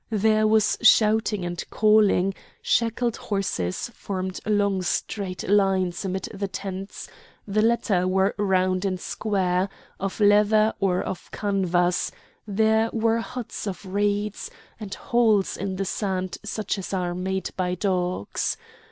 There was shouting and calling; shackled horses formed long straight lines amid the tents; the latter were round and square, of leather or of canvas; there were huts of reeds, and holes in the sand such as are made by dogs.